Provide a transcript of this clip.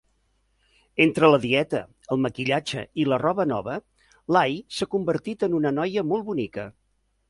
Entre la dieta, el maquillatge i la roba nova, l'Ai s'ha convertit en una noia molt bonica.